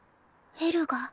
えるが？